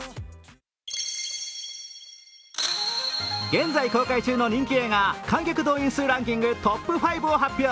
現在公開中の人気映画観客動員数ランキングトップ５を発表。